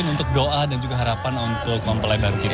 mungkin untuk doa dan juga harapan untuk mempeledan kita